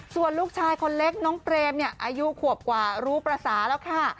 ส่วนลูกชายคนเล็กน้องเกรมอายุขวบกว่ารู้ประสาทแล้วค่ะ